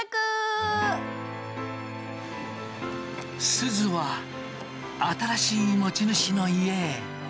すずは新しい持ち主の家へ。